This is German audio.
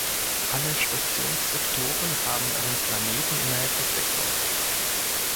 Alle Stationssektoren haben einen Planeten innerhalb des Sektors.